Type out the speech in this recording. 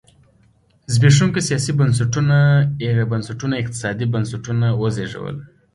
زبېښونکي سیاسي بنسټونو اقتصادي بنسټونه وزېږول.